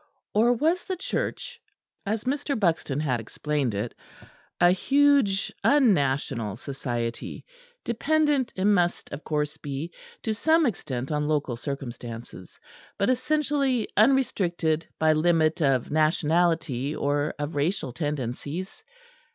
Or was the Church, as Mr. Buxton had explained it, a huge unnational Society, dependent, it must of course be, to some extent on local circumstances, but essentially unrestricted by limit of nationality or of racial tendencies?